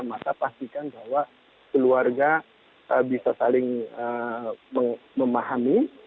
maka pastikan bahwa keluarga bisa saling memahami